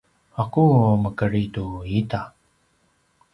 ’aku mekedri tu ita?